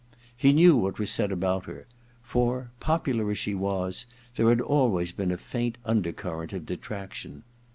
He knew what was said about her ; for, popular as she was, there had always been a faint undercurrent of detraction.